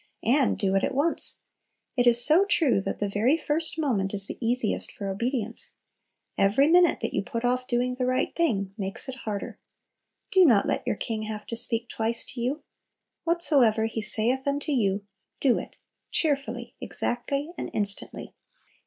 "_ And "do it" at once. It is so true, that "the very first moment is the easiest for obedience." Every minute that you put off doing the right thing makes it harder. Do not let your King have to "speak twice" to you. "Whatsoever He saith unto you, do it" cheerfully, exactly, and instantly.